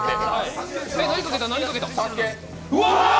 何かけた？